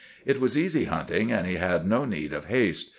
It was easy hunting, and he had no need of haste.